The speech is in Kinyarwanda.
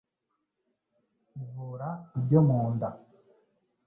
ivura ibyo mu nda